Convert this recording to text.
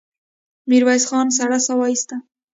ميرويس خان سړه سا وايسته.